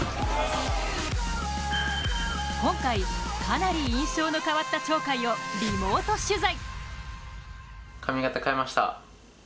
今回、かなり印象の変わった鳥海をリモート取材。